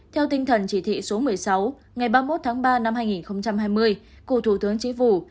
theo tinh thần chỉ thị số một mươi sáu ngày ba mươi một tháng ba năm hai nghìn hai mươi của thủ tướng chính phủ